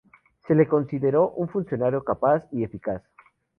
Se le consideró un funcionario capaz y eficaz.